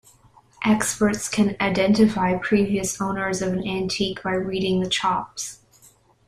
Experts can identify previous owners of an antique by reading the chops.